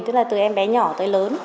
tức là từ em bé nhỏ tới lớn